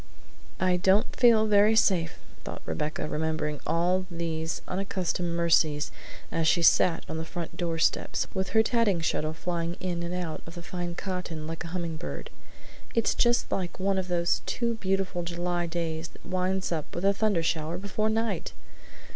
"I don't feel very safe," thought Rebecca, remembering all these unaccustomed mercies as she sat on the front doorsteps, with her tatting shuttle flying in and out of the fine cotton like a hummingbird. "It's just like one of those too beautiful July days that winds up with a thundershower before night!